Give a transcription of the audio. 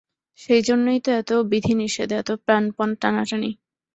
সেইজন্যেই তো এত বিধিনিষেধ, এত প্রাণপণ টানাটানি।